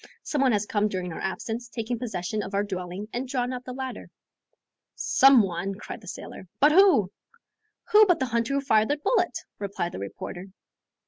Some one has come during our absence, taken possession of our dwelling and drawn up the ladder." "Some one," cried the sailor. "But who?" "Who but the hunter who fired the bullet?" replied the reporter.